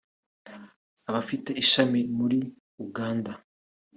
bafite ishami muri Uganda